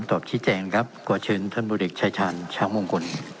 ตอบชี้แจงครับกวอเชิงท่านผู้เด็กชายชาญชามงงกล